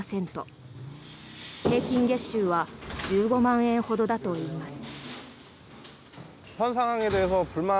平均月収は１５万円ほどだといいます。